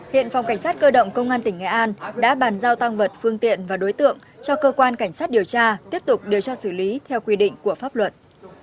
hiện phòng cảnh sát cơ động công an tỉnh nghệ an đã bàn giao tăng vật phương tiện và đối tượng cho cơ quan cảnh sát điều tra tiếp tục điều tra xử lý theo quy định của pháp luật